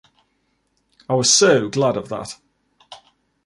I was so glad of that.